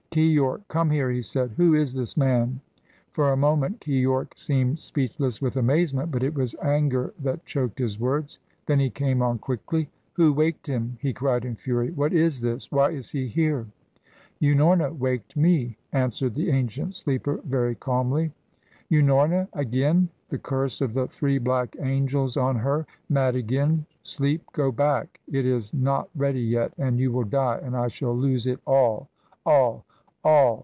"Keyork come here!" he said. "Who is this man?" For a moment Keyork seemed speechless with amazement. But it was anger that choked his words. Then he came on quickly. "Who waked him?" he cried in fury. "What is this? Why is he here?" "Unorna waked me," answered the ancient sleeper very calmly. "Unorna? Again? The curse of The Three Black Angels on her! Mad again? Sleep, go back! It is not ready yet, and you will die, and I shall lose it all all all!